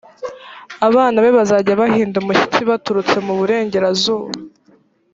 abana be bazaza bahinda umushyitsi baturutse mu burengerazuba